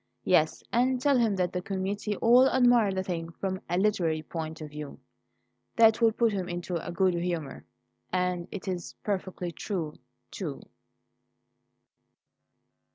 Yes, and tell him that the committee all admired the thing from a literary point of view. That will put him into a good humour, and it's perfectly true, too."